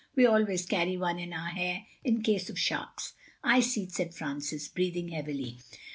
"We always carry one in our hair, in case of sharks." "I see," said Francis, breathing heavily.